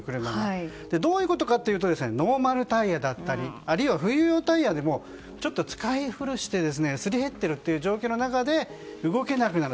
どういうことかというとノーマルタイヤだったりあるいは冬用タイヤでも使い古してすり減っている状況の中で動けなくなる。